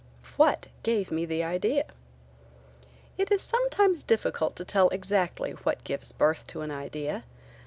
WHAT gave me the idea? It is sometimes difficult to tell exactly what gives birth to an idea.